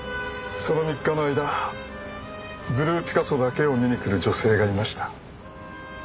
その３日の間ブルーピカソだけを見に来る女性がいました。